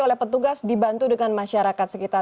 oleh petugas dibantu dengan masyarakat sekitar